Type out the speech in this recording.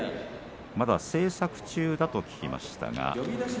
まだ制作中だと聞きました。